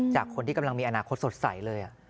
จากคนที่กำลังมีอนาคตสดใสเลย